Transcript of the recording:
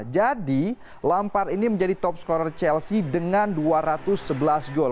jadi lampard ini menjadi top scorer chelsea dengan dua ratus sebelas gol